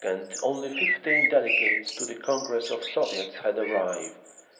On November 2d only fifteen delegates to the Congress of Soviets had arrived.